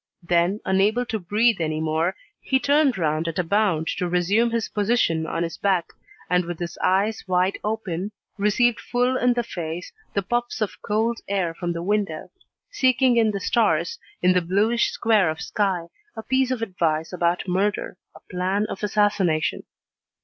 Then, unable to breathe any more, he turned round at a bound to resume his position on his back, and with his eyes wide open, received full in the face, the puffs of cold air from the window, seeking in the stars, in the bluish square of sky, a piece of advice about murder, a plan of assassination.